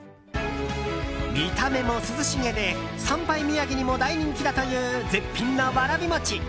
見た目も涼しげで参拝土産にも大人気だという絶品のわらび餅。